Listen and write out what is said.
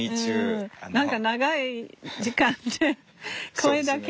何か長い時間声だけ。